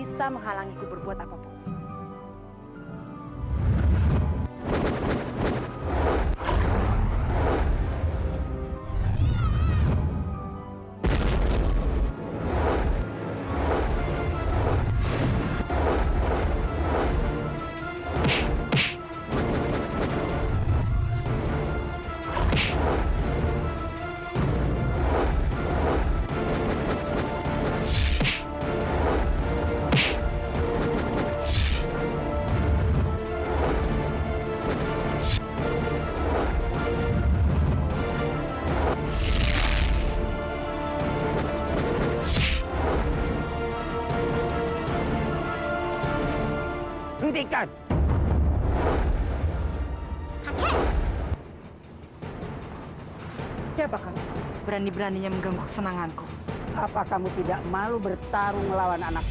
sampai jumpa di video selanjutnya